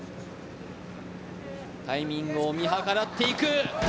タイミングを見計らって行く。